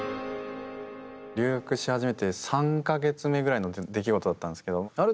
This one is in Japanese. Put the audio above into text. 留学し始めて３か月目ぐらいの出来事だったんですけどある